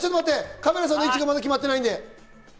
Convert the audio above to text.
カメラさんの位置がまだ決まってないんで。